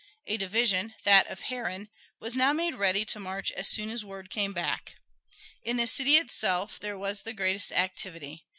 A division that of Herron was now made ready to march as soon as word came back. In the city itself there was the greatest activity.